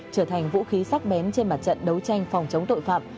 trở thành vũ khí sắc bén trên mặt trận đấu tranh phòng chống tội phạm